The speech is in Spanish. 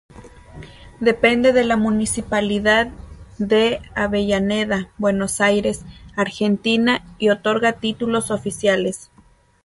Depende de la Municipalidad de Avellaneda, Buenos Aires, Argentina y otorga títulos oficiales.